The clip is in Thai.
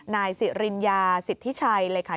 นายสิริญญาสิทธิชัยเลยค่ะ